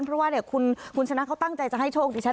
เพราะว่าคุณชนะเขาตั้งใจจะให้โชคดิฉัน